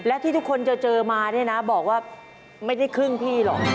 และที่ทุกคนจะเจอมาเนี่ยนะบอกว่าไม่ได้ครึ่งพี่หรอก